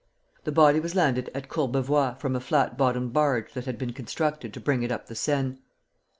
The body was landed at Courbevoie from a flat bottomed barge that had been constructed to bring it up the Seine.